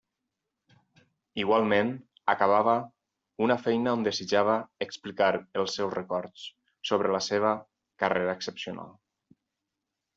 Igualment Acabava una feina on desitjava explicar els seus records, sobre la seva carrera excepcional.